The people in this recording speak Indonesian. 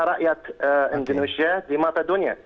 rakyat indonesia di mata dunia